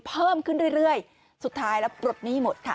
เพิ่มขึ้นเรื่อยสุดท้ายแล้วปลดหนี้หมดค่ะ